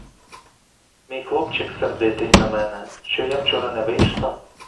Мій хлопчик сердитий на мене, що я вчора не вийшла?